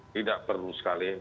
tidak perlu sekali